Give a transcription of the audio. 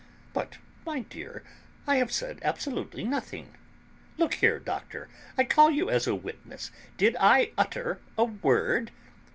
"But, my dear, I have said absolutely nothing. Look here, Doctor, I call you as a witness; did I utter a word?"